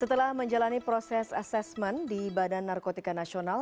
setelah menjalani proses asesmen di badan narkotika nasional